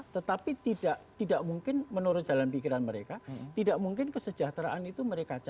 tetapi tidak mungkin menurut jalan pikiran mereka tidak mungkin kesejahteraan itu mereka jaga